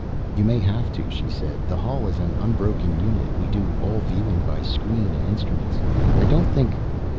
"You may have to," she said. "The hull is an unbroken unit, we do all viewing by screen and instruments. I don't think